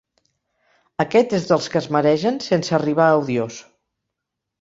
Aquest és dels que es maregen, sense arribar a odiós.